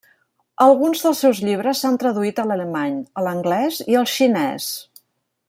Alguns dels seus llibres s'han traduït a l'alemany, a l'anglès i al xinès.